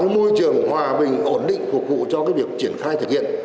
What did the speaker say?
môi trường hòa bình ổn định phục vụ cho việc triển khai thực hiện